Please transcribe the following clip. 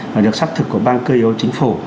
và được xác thực của bang cio chính phủ